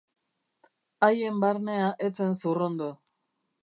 Haien barnea ez zen zurrundu.